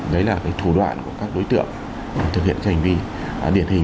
đấy là thủ đoạn của các đối tượng thực hiện hành vi điển hình